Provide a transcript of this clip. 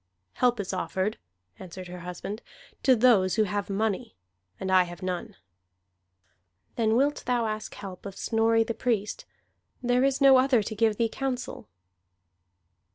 "Help is offered," answered her husband, "to those who have money. And I have none." "Then wilt thou ask help of Snorri the Priest? There is no other to give thee counsel."